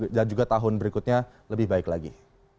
kuartal empat dan juga tahun berikutnya lebih baik lagi